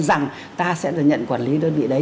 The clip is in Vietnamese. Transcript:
rằng ta sẽ được nhận quản lý đơn vị đấy